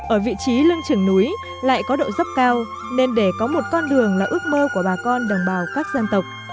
ở vị trí lưng trường núi lại có độ dốc cao nên để có một con đường là ước mơ của bà con đồng bào các dân tộc